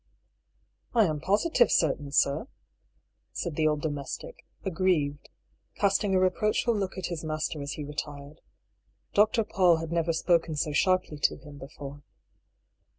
" I am posidre certain, sir," said the old domestic, aggrieyed, casting a reproachful look at his master as he retired. Dr. Paull had ncTer spoken so sharply to him before.